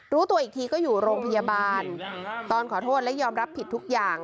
รู้ตัวอีกทีก็อยู่โรงพยาบาลตอนขอโทษและยอมรับผิดทุกอย่าง